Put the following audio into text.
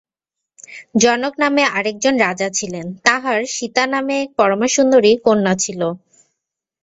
জনক নামে আর একজন রাজা ছিলেন, তাঁহার সীতা নামে এক পরমাসুন্দরী কন্যা ছিল।